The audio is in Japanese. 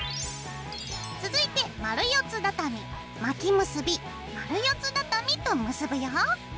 続いて丸四つだたみ巻き結び丸四つだたみと結ぶよ。